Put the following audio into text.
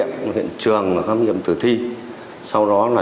thì nó có xảy ra